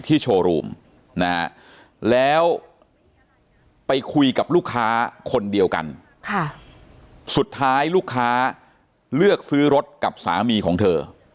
โชว์รูมนะฮะแล้วไปคุยกับลูกค้าคนเดียวกันสุดท้ายลูกค้าเลือกซื้อรถกับสามีของเธอ